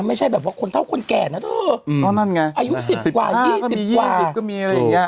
ไม่ใช่แบบว่าคนเท่าคนแก่น่ะเถอะอืมเพราะนั่นไงอายุสิบกว่ายี่สิบกว่าก็มียี่สิบก็มีอะไรอย่างเงี้ย